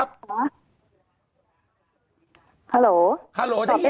ไม่ใช่ค่ะ